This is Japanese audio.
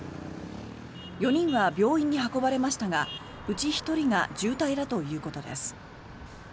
４人は病院に運ばれましたがうち１人が重体だということです。